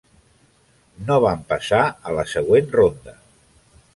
No van passar a la següent ronda.